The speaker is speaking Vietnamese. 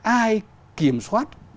ai kiểm soát